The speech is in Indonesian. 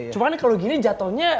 cuman kalau gini jatuhnya